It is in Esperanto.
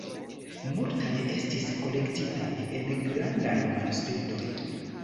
Multaj estis kolektitaj en grandaj manuskriptoj.